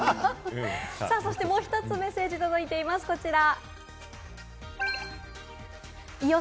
そしてもう１つのメッセージ、届いています、こちら。